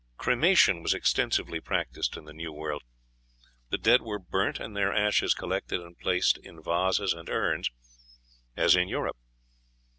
Cremation was extensively practised in the New World. The dead were burnt, and their ashes collected and placed in vases and urns, as in Europe.